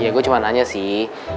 ya gue cuma nanya sih